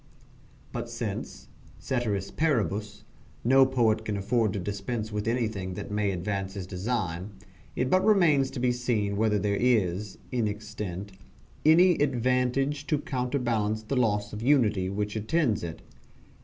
But since, ceteris paribus, no poet can afford to dispense with anything that may advance his design, it but remains to be seen whether there is, in extent, any advantage to counterbalance the loss of unity which attends it.